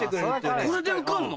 これで受かるの？